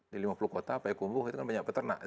di lima puluh kota payakumbuh itu kan banyak peternak